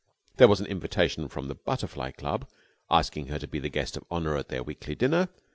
There was an invitation from the Butterfly Club asking her to be the guest of honour at their weekly dinner.